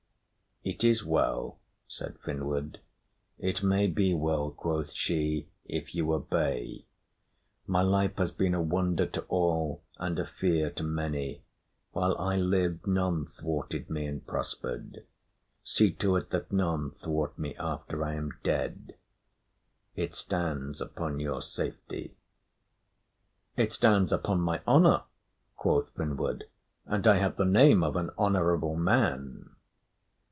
"It is well," said Finnward. "It may be well," quoth she, "if you obey. My life has been a wonder to all and a fear to many. While I lived none thwarted me and prospered. See to it that none thwart me after I am dead. It stands upon your safety." "It stands upon my honour," quoth Finnward, "and I have the name of an honourable man."